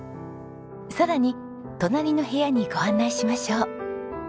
さらに隣の部屋にご案内しましょう。